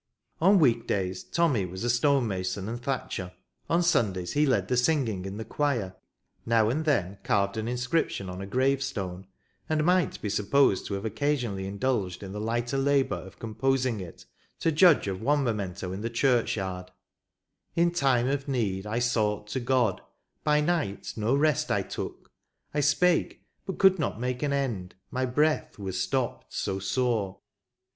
On week days, Tommy was stonemason and thatcher ; on Sundays he led the singing in the choir; now and then carved an inscription on a gravestone, and might be supposed to have occasionally indulged in the lighter labour of composing it, to judge of one memento in the churchyard :" In time of need I sought to God, By night no rest I took; I spake, but could not make an end. My breath was stopped so sore."